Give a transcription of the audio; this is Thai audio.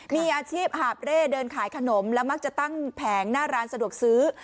มีอาชีพหาบเร่เดินขายขนมและมักจะตั้งแผงหน้าร้านสะดวกซื้อ